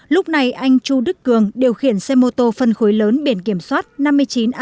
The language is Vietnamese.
lúc này anh chu đức cường điều khiển xe mô tô phân khối lớn biển kiểm soát năm mươi chín a ba hai mươi ba nghìn một trăm chín mươi ba